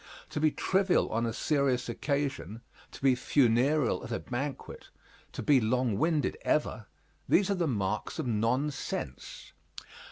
To be trivial on a serious occasion, to be funereal at a banquet, to be long winded ever these are the marks of non sense.